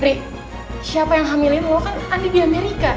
ri siapa yang hamilin lo kan kan di amerika